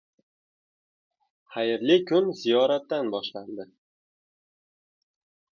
Xayrli kun ziyoratdan boshlandi